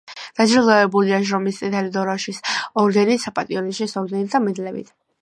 დაჯილდოებულია შრომის წითელი დროშის ორდენით, საპატიო ნიშნის ორდენით და მედლებით.